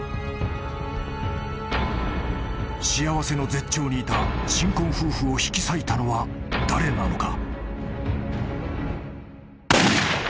［幸せの絶頂にいた新婚夫婦を引き裂いたのは誰なのか？］